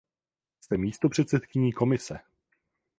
Jste místopředsedkyní Komise.